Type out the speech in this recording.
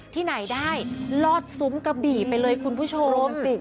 ที่ไหนได้ลอดซุ้มกะบี่ไปเลยคุณผู้ชม